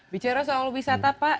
bicara soal wisata pak